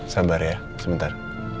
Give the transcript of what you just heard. sabar ya sebentar